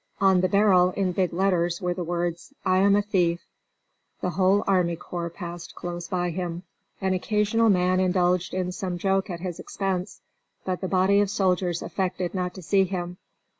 On the barrel in big letters were the words: "I am a thief." The whole army corps passed close by him. An occasional man indulged in some joke at his expense, but the body of soldiers affected not to see him.